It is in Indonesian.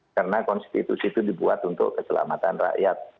karena konstitusi itu dibuat untuk keselamatan rakyat